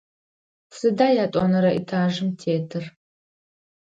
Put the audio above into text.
Сыда ятӏонэрэ этажым тетыр?